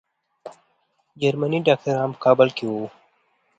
جرمني ډاکټر په کابل کې وو.